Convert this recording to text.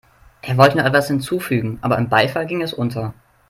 Er wollte noch etwas hinzufügen, aber im Beifall ging es unter.